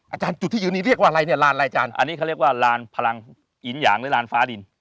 จุดที่ยืนนี้เรียกว่าอะไรเนี่ยลานรายการอันนี้เขาเรียกว่าลานพลังหินหยางหรือลานฟ้าดิน